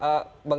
ya makasih bang